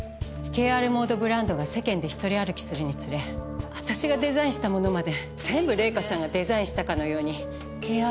ＫＲｍｏｄｅブランドが世間で独り歩きするにつれ私がデザインしたものまで全部玲香さんがデザインしたかのように。